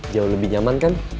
jauh lebih nyaman kan